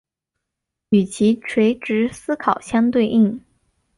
其与垂直思考相对应。